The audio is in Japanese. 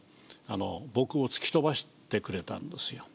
僕を突き飛ばしてくれたんですよ。